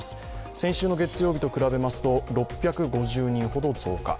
先週の月曜日と比べますと６６２人ほど増加。